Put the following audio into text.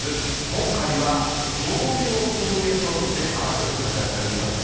今回は調味料ソムリエプロとして幅広く活躍されています